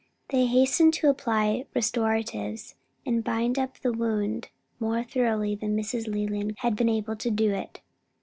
They hastened to apply restoratives, and bind up the wound more thoroughly than Mrs. Leland had been able to do it.